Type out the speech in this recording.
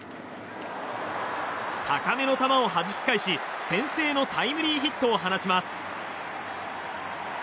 高めの球をはじき返し先制のタイムリーヒットを放ちます。